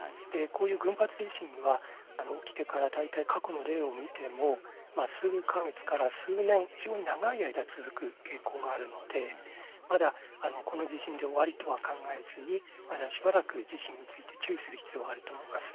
群発地震は起きてから大体過去の例を見ても数か月から数年、非常に長い間続く傾向があるのでまだこの地震で終わりとは考えずに、まだしばらく地震について注意する必要があると思います。